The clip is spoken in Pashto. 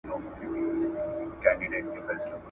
ما هم درلوده ځواني رنګینه ,